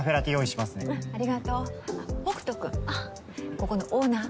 ここのオーナー。